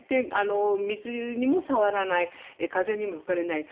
水にも触らない風にも吹かれない。